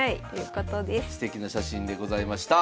すてきな写真でございました。